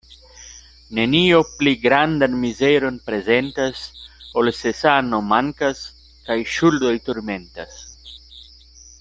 Nenio pli grandan mizeron prezentas, ol se sano mankas kaj ŝuldoj turmentas.